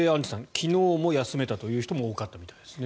昨日も休めたという人も多かったみたいですね。